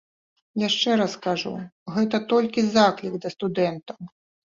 Яшчэ раз кажу, гэта толькі заклік да студэнтаў.